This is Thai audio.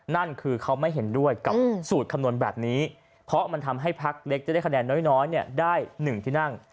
นั่นคือเขาไม่เห็นด้วยกับสูตรคำนวณแบบนี้เพราะมันทำให้พักเล็กจะได้คะแนนน้อยได้๑ที่นั่ง